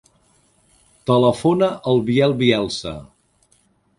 Telefona al Biel Bielsa.